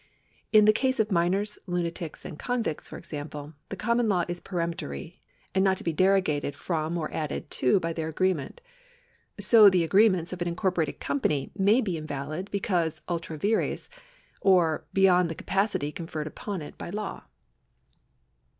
In the case of minors, lunatics, and convicts, for example, the common law is peremptory, and not to be derogated from or added to by their agreement. So the agreements of an incorporated company may be invalid because ultra vires, or beyond the capacity conferred upon it by law.